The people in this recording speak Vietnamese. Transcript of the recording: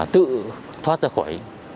tự thoát ra khỏi